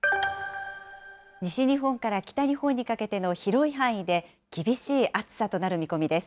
西日本から北日本にかけての広い範囲で、厳しい暑さとなる見込みです。